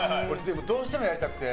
どうしてもやりたくて。